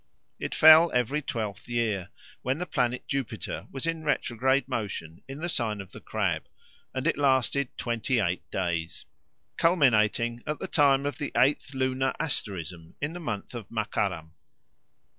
It fell every twelfth year, when the planet Jupiter was in retrograde motion in the sign of the Crab, and it lasted twenty eight days, culminating at the time of the eighth lunar asterism in the month of Makaram.